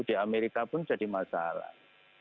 di amerika pun jadi masalah